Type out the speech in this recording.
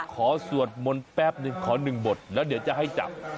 สวดมนต์แป๊บนึงขอหนึ่งบทแล้วเดี๋ยวจะให้จับ